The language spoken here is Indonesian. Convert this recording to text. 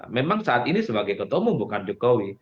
memang saat ini sebagai ketemu bukan jokowi